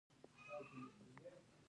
د افغانستان طبیعت له کابل څخه جوړ شوی دی.